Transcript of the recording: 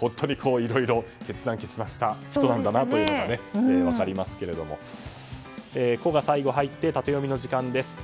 本当にいろいろ決断した人なんだなということが「コ」が最後入ってタテヨミの時間です。